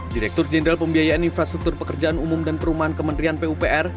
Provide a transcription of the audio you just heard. direktur jenderal pembiayaan infrastruktur pekerjaan umum dan perumahan kementerian pupr